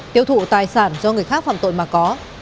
tiêu thụ tài sản do người khác phạm tội mà có